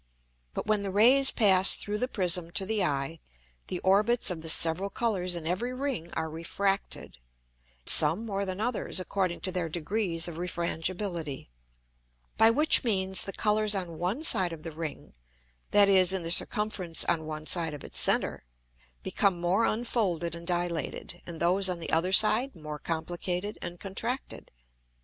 But when the Rays pass through the Prism to the Eye, the Orbits of the several Colours in every Ring are refracted, some more than others, according to their degrees of Refrangibility: By which means the Colours on one side of the Ring (that is in the circumference on one side of its center), become more unfolded and dilated, and those on the other side more complicated and contracted.